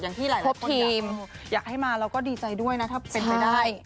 ที่หลายคนอยากให้มาเราก็ดีใจด้วยนะถ้าเป็นไปได้